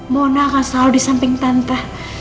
mona akan selalu di samping tantah